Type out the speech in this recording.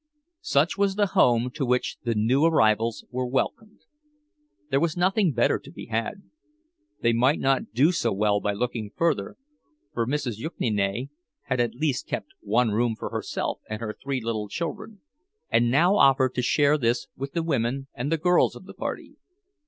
Such was the home to which the new arrivals were welcomed. There was nothing better to be had—they might not do so well by looking further, for Mrs. Jukniene had at least kept one room for herself and her three little children, and now offered to share this with the women and the girls of the party.